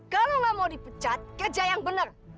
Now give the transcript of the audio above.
kalau nggak mau dipecat kerja yang benar